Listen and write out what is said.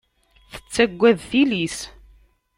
Tettaggad tili-s.